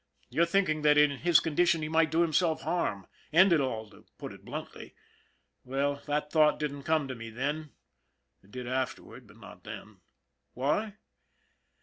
You're thinking that in his condition he might do himself harm end it all, to put it bluntly. Well, that thought didn't come to me then, it did afterward, but not then. Why